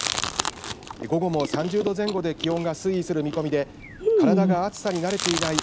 午後も３０度前後で気温が推移する見込みで体が暑さに慣れていない